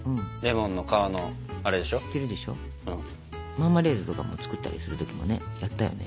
マーマレードとかも作ったりする時もねやったよね。